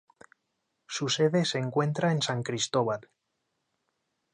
Su sede se encuentra en San Cristóbal.